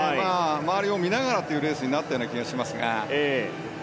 周りを見ながらというレースになった気がしますが。